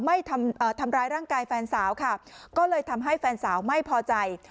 ทำร้ายร่างกายแฟนสาวค่ะก็เลยทำให้แฟนสาวไม่พอใจ